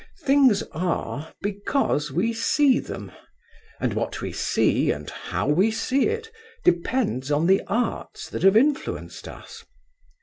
Things are because we see them, and what we see, and how we see it, depends on the Arts that have influenced us.